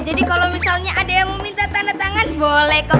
jadi kalau misalnya ada yang mau minta tanda tangan boleh kok